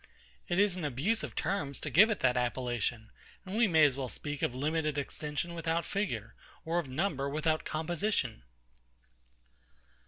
It is an abuse of terms to give it that appellation; and we may as well speak of limited extension without figure, or of number without composition.